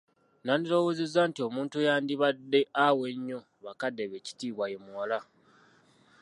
Nandirowoozezza nti omuntu eyandibadde awa ennyo bakadde be ekitiibwa ye muwala.